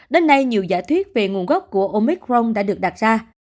đến nay nhiều giả thuyết về nguồn gốc của omicron đã được đặt ra